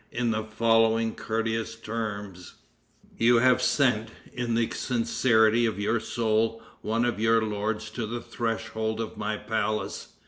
in the following courteous terms: "You have sent, in the sincerity of your soul, one of your lords to the threshold of my palace.